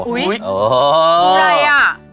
อุ๊ยอย่างไรอ่ะ